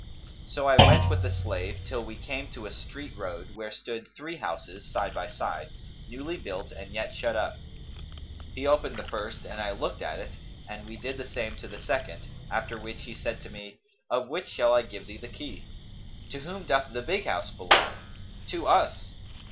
So I went with the slave, till we came to a street road where stood three houses side by side, newly built and yet shut up. He opened the first and I looked at it; and we did the same to the second; after which he said to me 'Of which shall I give thee the key?' 'To whom doth the big house belong?' 'To us!'